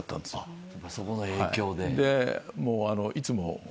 そこの影響で。